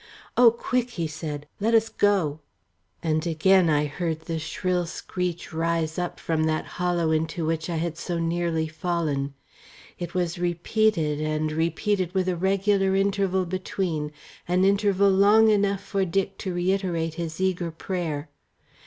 "Oh, quick," he said, "let us go!" And again I heard the shrill screech rise up from that hollow into which I had so nearly fallen. It was repeated and repeated with a regular interval between an interval long enough for Dick to reiterate his eager prayer.